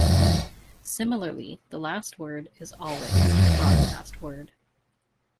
Similarly, the last word is always the broadcast word.